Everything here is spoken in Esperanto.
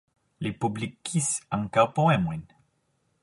Li publikis ankaŭ poemojn.